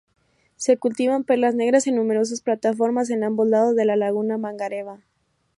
Se cultivan perlas negras en numerosas plataformas en ambos lados de la laguna Mangareva.